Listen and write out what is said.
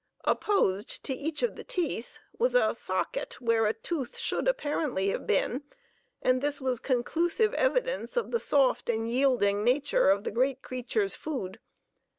Opposed to each of the teeth was a socket where a tooth should apparently have been, and this was conclusive evidence of the soft and yielding nature of the great creature's food.